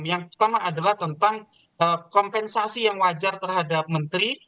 yang pertama adalah tentang kompensasi yang wajar terhadap menteri